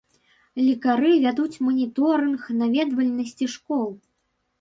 Лекары вядуць маніторынг наведвальнасці школ.